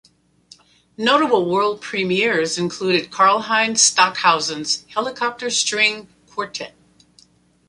Notable world premieres included Karlheinz Stockhausen's "Helicopter String Quartet".